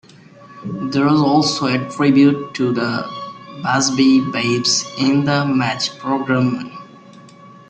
There was also a tribute to the Busby Babes in the match programme.